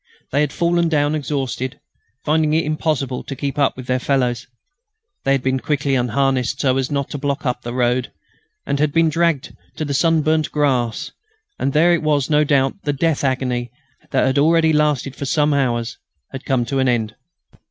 They had fallen down exhausted, finding it impossible to keep up with their fellows. They had been quickly unharnessed, so as not to block up the road; had been dragged on to the sunburnt grass, and it was there no doubt the death agony that had already lasted for some hours had come to an end.